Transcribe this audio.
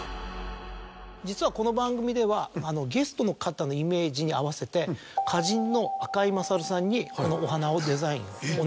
実はこの番組ではゲストの方のイメージに合わせて花人の赤井勝さんにお花をデザインをお願いしました。